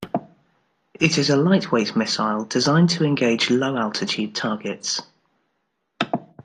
It is a light weight missile designed to engage low altitude targets.